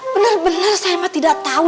bener bener saya mah tidak tahu